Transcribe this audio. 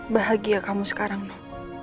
bahagia kamu sekarang nob